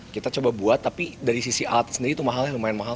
kita coba buat tapi dari sisi alat sendiri itu mahalnya lumayan mahal